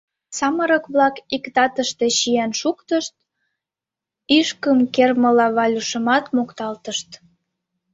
Самырык-влак ик татыште чиен шуктышт, ишкым кермыла, Валюшымат мокталтышт: